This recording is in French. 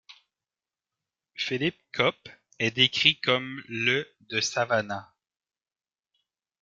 Philip Cope est décrit comme le de Savannah.